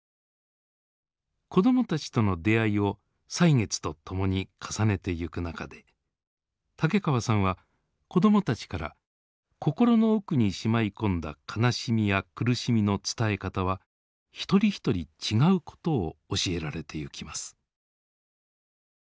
子どもたちとの出会いを歳月とともに重ねてゆく中で竹川さんは子どもたちから心の奥にしまい込んだ悲しみや苦しみの伝え方は一人一人違うことを教えられてゆきます。